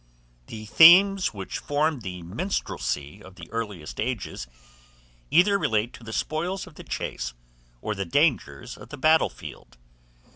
THE THEMES WHICH FORM THE MINSTRELSY OF THE EARLIEST AGES, either relate to the spoils of the chase or the dangers of the battle field.